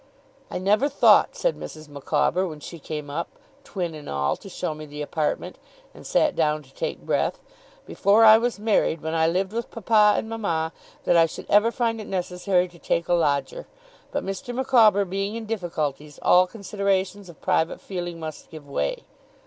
'I never thought,' said Mrs. Micawber, when she came up, twin and all, to show me the apartment, and sat down to take breath, 'before I was married, when I lived with papa and mama, that I should ever find it necessary to take a lodger. But Mr. Micawber being in difficulties, all considerations of private feeling must give way.